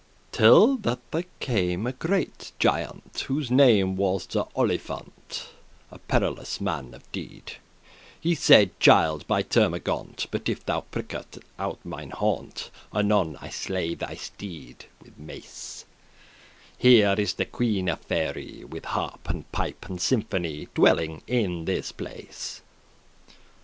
Till that there came a great giaunt, His name was Sir Oliphaunt,<15> A perilous man of deed; He saide, "Child,* by Termagaunt, <16> *young man *But if* thou prick out of mine haunt, *unless Anon I slay thy steed With mace. Here is the Queen of Faery, With harp, and pipe, and symphony, Dwelling in this place."